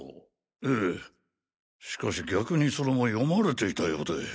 ええしかし逆にそれも読まれていたようで。